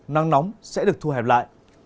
nắng nóng sẽ được thu hẹp lại